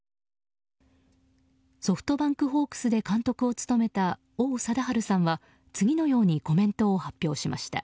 ソフトバンクホークスで監督を務めた王貞治さんは次のようにコメントを発表しました。